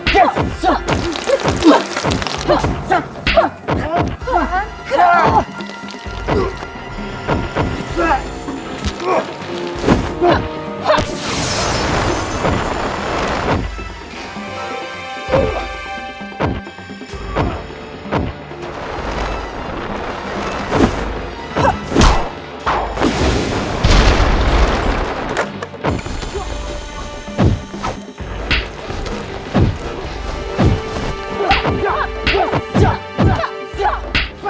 kenapa kau membunuh